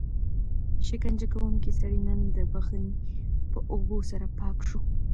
شکنجه کوونکی سړی نن د بښنې په اوبو سره پاک شو.